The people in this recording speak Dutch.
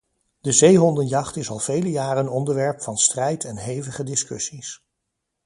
De zeehondenjacht is al vele jaren onderwerp van strijd en hevige discussies.